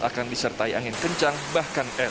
akan disertai angin kencang bahkan es